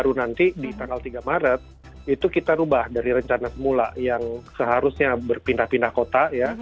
baru nanti di tanggal tiga maret itu kita ubah dari rencana semula yang seharusnya berpindah pindah kota ya